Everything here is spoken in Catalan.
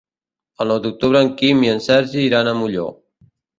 El nou d'octubre en Quim i en Sergi iran a Molló.